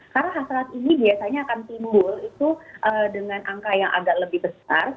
karena hasrat ini biasanya akan timbur itu dengan angka yang agak lebih besar